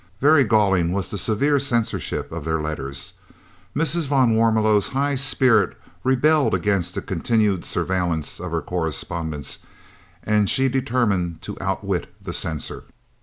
Very galling was the severe censorship of their letters. Mrs. van Warmelo's high spirit rebelled against the continued surveillance of her correspondence and she determined to outwit the censor.